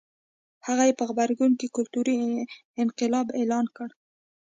هغه یې په غبرګون کې کلتوري انقلاب اعلان کړ.